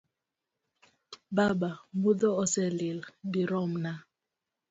Baba mudho ose lil biromna.